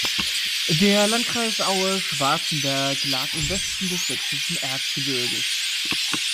Der Landkreis Aue-Schwarzenberg lag im Westen des sächsischen Erzgebirges.